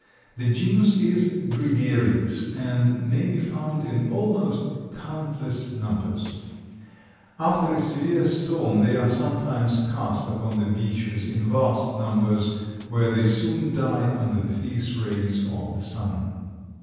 The genus is gregarious and may be found in almost countless numbers. After a severe storm they are sometimes cast upon the beaches in vast numbers, where they soon die under the fierce rays of the sun.